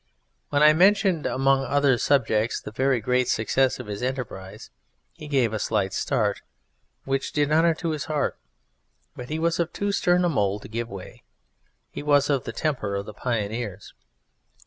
When I mentioned, among other subjects, the very great success of his enterprise, he gave a slight start, which did honour to his heart; but he was of too stern a mould to give way. He was of the temper of the Pioneers.